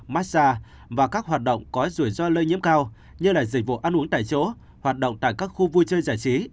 massage và các hoạt động có rủi ro lây nhiễm cao như dịch vụ ăn uống tại chỗ hoạt động tại các khu vui chơi giải trí